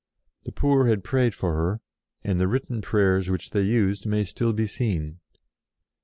The poor had prayed for her, and the written prayers which they used may still be seen.